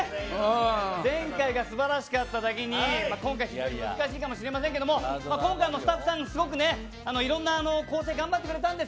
前回が素晴らしかっただけに今回難しいかもしれませんがスタッフさんがいろんな構成を頑張ってくれました。